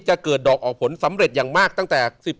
จะเกิดดอกออกผลสำเร็จอย่างมากตั้งแต่๑๕